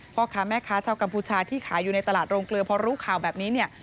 พ่อค้าแม่ค้าชาวกัมพูชาที่ขายอยู่ในตลาดโรงเกลือพอรู้ข่าวแบบนี้เนี่ย